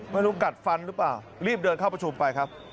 ไม่รู้กัดฟันหรือเปล่ารีบเดินเข้าประชุมไปครับ